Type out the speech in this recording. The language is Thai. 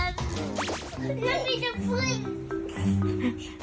น้องพี่จะพลึก